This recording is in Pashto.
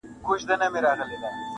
خزان په ګلو راځي